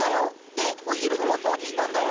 でお昼にも掃除したんだよ。